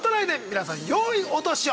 皆さん良いお年を。